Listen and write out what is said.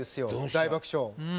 「大爆笑」の。